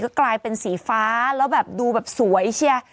ก็กลายเป็นสีฟ้าแล้วดูแบบสวยชิ่า